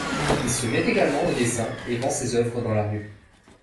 Il se met également au dessin et vend ses œuvres dans la rue.